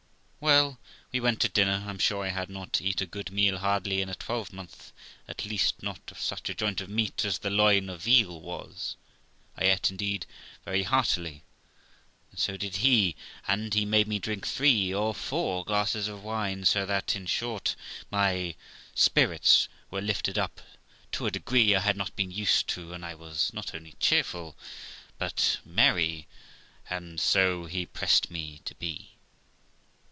Well, we went to dinner. I'm sure I had not ate a good meal hardly in a twelvemonth, at least not of such a joint of meat as the loin of veal was, I ate, indeed, very heartily, and so did he, and he made me drink three or four glasses of wine ; so that, in short, my spirits were lifted up to a degree I had not been used to, and I was not only cheerful, but merry ; and so he pressed me to be.